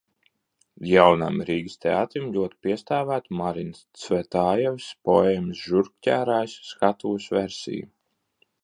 Jaunajam Rīgas teātrim ļoti piestāvētu Marinas Cvetajevas poēmas "Žurkķērājs" skatuves versija.